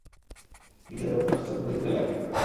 গৃহে রক্তস্রোত বহিতে লাগিল।